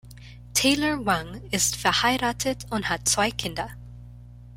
Taylor Wang ist verheiratet und hat zwei Kinder.